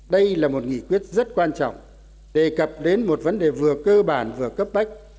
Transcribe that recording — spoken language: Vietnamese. đây là một nghị quyết rất quan trọng đề cập đến một vấn đề vừa cơ bản vừa cấp bách